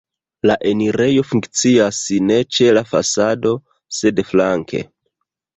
La enirejo funkcias ne ĉe la fasado, sed flanke.